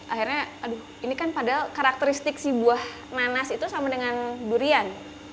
akhirnya aduh ini kan padahal karakteristik si buah nanas itu sama dengan durian